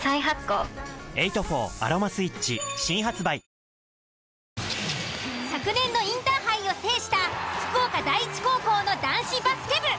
「エイト・フォーアロマスイッチ」新発売昨年のインターハイを制した福岡第一高校の男子バスケ部。